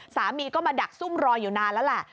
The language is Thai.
สามีก็มาดักซุ่มรออยู่นานแล้วแหละ